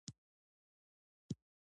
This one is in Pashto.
د شانګلې د سيمې د ليکوالانو يوه اهمه کړۍ